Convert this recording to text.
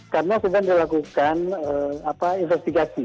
karena sudah dilakukan investigasi